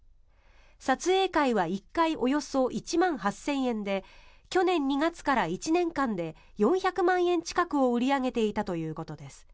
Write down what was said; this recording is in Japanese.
撮影会は１回およそ１万８０００円で去年２月から１年間で４００万円近くを売り上げていたということです。